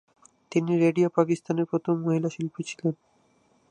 তিনি রেডিও পাকিস্তানের প্রথম মহিলা শিল্পী ছিলেন।